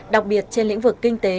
đặc biệt trên lĩnh vực kinh tế